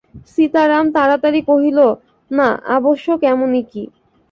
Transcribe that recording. সীতারাম তাড়াতাড়ি কহিল, নাঃ– আবশ্যক এমনই কী।